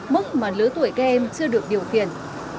mức mà lứa tuổi các em chưa được điều khiển